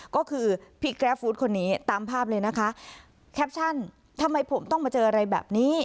ก็คือพี่แกรฟู้ดคนนี้ตามภาพเลยนะคะแคปชั่นทำไมผมต้องมาเจออะไรแบบนี้